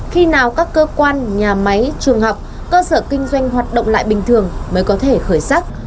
khi nào các cơ quan nhà máy trường học cơ sở kinh doanh hoạt động lại bình thường mới có thể khởi sắc